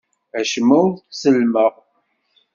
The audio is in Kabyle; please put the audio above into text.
Acemma ur t-ttellmeɣ.